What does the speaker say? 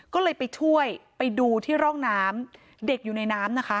ก็เลยไปช่วยไปดูที่ร่องน้ำเด็กอยู่ในน้ำนะคะ